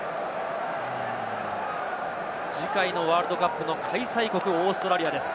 次回のワールドカップの開催国、オーストラリアです。